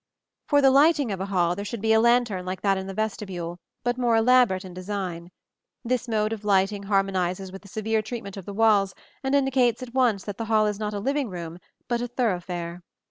For the lighting of the hall there should be a lantern like that in the vestibule, but more elaborate in design. This mode of lighting harmonizes with the severe treatment of the walls and indicates at once that the hall is not a living room, but a thoroughfare.